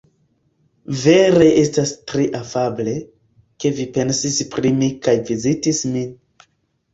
Vere estas tre afable, ke vi pensis pri mi kaj vizitis min.